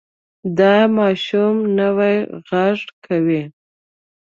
دا ماشوم نوی غږ کوي.